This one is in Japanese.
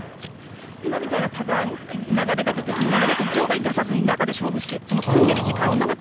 今みたいなパターン流れですとなるべく場外に出さずに、中で勝負をしていく。